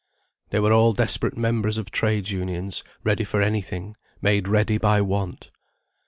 They were all desperate members of Trades' Unions, ready for any thing; made ready by want.